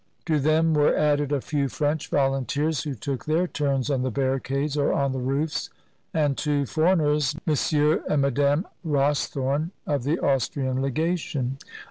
To them were added a few French volunteers, who took their turns on the barricades or on the roofs, and two foreigners, M. and Mme. Ros thorne, of the Austrian Legation.